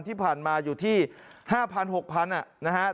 ที่ผ่านมาอยู่ที่๕๐๐๖๐๐นะครับ